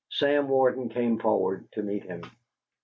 Sam Warden came forward to meet him.